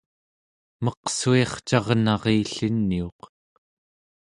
meqsuircarnarilliniuq